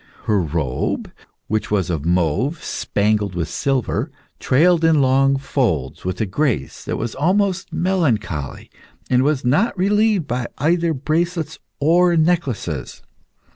Her robe, which was of mauve spangled with silver, trailed in long folds with a grace that was almost melancholy and was not relieved by either bracelets or necklaces.